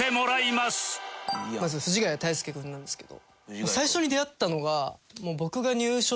まず藤ヶ谷太輔君なんですけど。